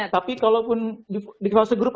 tapi kalau pun di fase grup